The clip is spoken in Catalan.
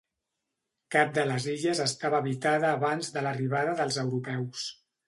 Cap de les illes estava habitada abans de l'arribada dels europeus.